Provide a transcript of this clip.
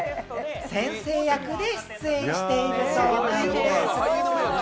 先生役で出演しているそうなんでぃす！